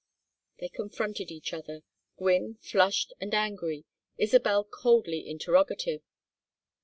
They confronted each other, Gwynne flushed and angry, Isabel coldly interrogative.